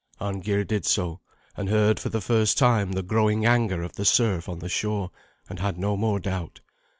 Arngeir did so, and heard for the first time the growing anger of the surf on the shore, and had no more doubt.